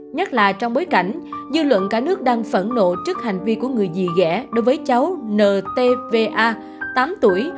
nhất là trong bối cảnh dư luận cả nước đang phẫn nộ trước hành vi của người gì ghẽ đối với cháu ntva tám tuổi